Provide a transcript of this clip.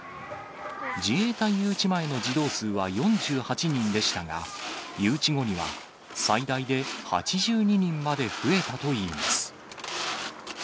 自衛隊誘致前の児童数は４８人でしたが、誘致後には、最大で８２人まで増えたといいます。